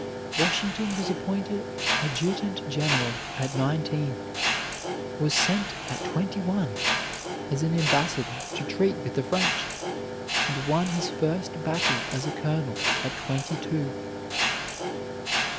Washington was appointed adjutant general at nineteen, was sent at twenty one as an ambassador to treat with the French, and won his first battle as a colonel at twenty two.